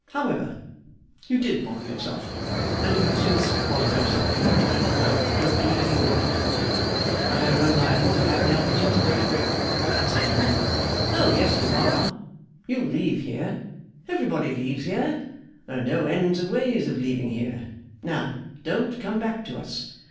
However, you did bother yourself, and you have since bothered yourself. Now, don't do it any more.' 'I am not likely to have the opportunity,' said Clennam. 'Oh yes, you are! You'll leave here. Everybody leaves here. There are no ends of ways of leaving here. Now, don't come back to us.